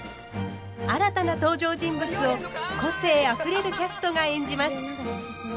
新たな登場人物を個性あふれるキャストが演じます。